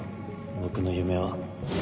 僕の夢は